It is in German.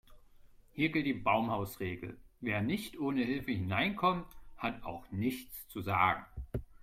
Hier gilt die Baumhausregel: Wer nicht ohne Hilfe hineinkommt, hat auch nichts zu sagen.